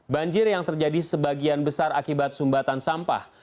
banjir yang terjadi sebagian besar akibat sumbatan sampah